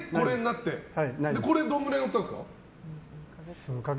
これどのくらい乗ったんですか？